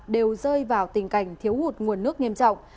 đều rơi vào tình cảnh thiếu hụt nguồn nước nghiêm trọng